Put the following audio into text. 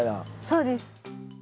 そうです。